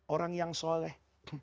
orang yang soleh